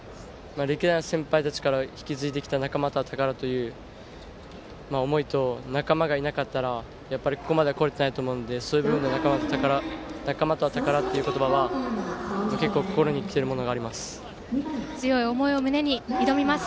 歴代の先輩たちから引き継いできた「仲間とは宝」という思いと仲間がいなかったらここまで来れていないのでそういう意味では「仲間とは宝」という言葉は強い思いを胸に挑みます。